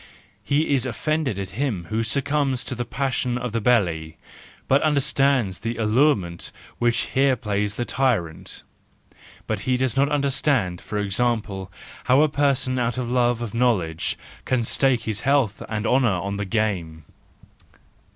He is offended at him who succumbs to the passion of the belly, but he understands the allurement which here plays the tyrant; but he does not understand, for example, how a person out of love of knowledge can stake his health and honour on the game.